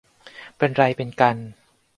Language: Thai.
เป็นไรเป็นกัน